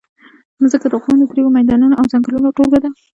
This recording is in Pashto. مځکه د غرونو، دریو، میدانونو او ځنګلونو ټولګه ده.